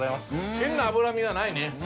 変な脂身はないね。